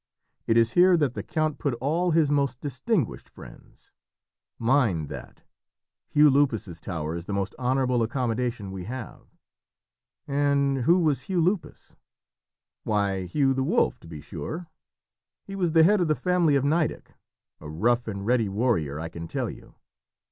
It is here that the count put all his most distinguished friends. Mind that: Hugh Lupus's tower is the most honourable accommodation we have." "And who was Hugh Lupus?" "Why, Hugh the Wolf, to be sure. He was the head of the family of Nideck, a rough and ready warrior, I can tell you.